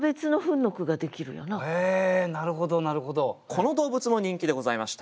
この動物も人気でございました。